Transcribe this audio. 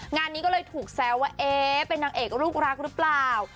งานนี้ก็เลยถูกแซวว่าเอ๊เป็นนางเอกลูกรักหรือเปล่า